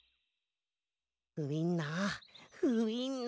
ウインナーウインナー。